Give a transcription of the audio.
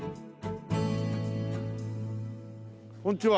こんにちは。